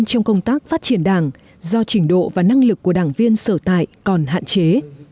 trong công tác phát triển đảng do trình độ và năng lực của đảng viên sở tại còn hạn chế